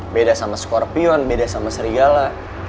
beda sama skorpion beda sama serigala